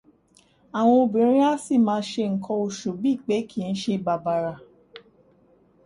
Àwọn obìnrin á sì máa ṣe nǹkan oṣù bí í pé kìí ṣe bàbàrà.